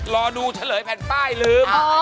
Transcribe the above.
รอดูเฉลยแผ่นป้ายลืม